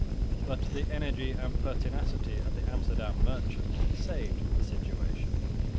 But the energy and pertinacity of the Amsterdam merchant saved the situation.